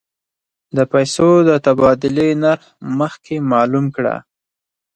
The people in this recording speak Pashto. د پیسو د تبادلې نرخ مخکې معلوم کړه.